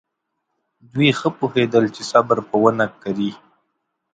دوی ښه پوهېدل چې صبر به ونه کړي.